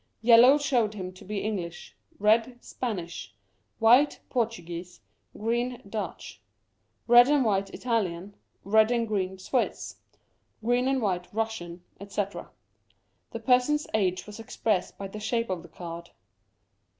Yellow showed him to be English ; red, Spanish ; white, Portuguese ; green, Dutch ; red and white, Italian ; red and green, Swiss ; green and white, Russian ; etc. The person's age was expressed by the shape of the card.